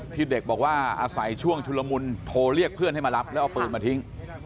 ที่เด็กบอกว่าอาศัยช่วงชุลมุนโทรเรียกเพื่อนให้มารับแล้วเอาปืนมาทิ้ง